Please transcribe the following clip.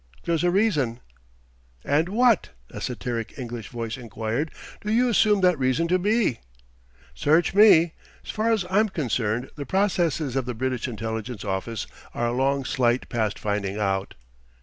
There's a reason." "And what," a satiric English voice enquired, "do you assume that reason to be?" "Search me. 'Sfar's I'm concerned the processes of the British Intelligence Office are a long sight past finding out."